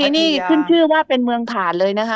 นี่ขึ้นชื่อว่าเป็นเมืองผ่านเลยนะคะ